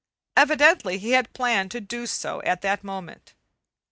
Evidently he had planned to do so at that moment.